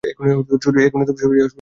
এক্ষুনি সুরিয়া হসপিটালে আসো!